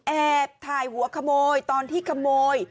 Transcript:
แอบถ่ายหัวขโมยตอนที่ขโมย